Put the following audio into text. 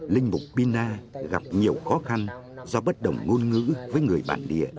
linh mục pina gặp nhiều khó khăn do bất đồng ngôn ngữ với người bản địa